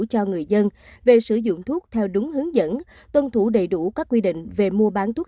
cho người dân về sử dụng thuốc theo đúng hướng dẫn tuân thủ đầy đủ các quy định về mua bán thuốc